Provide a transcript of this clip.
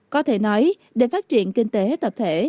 có thể nói để phát triển kinh tế tập thể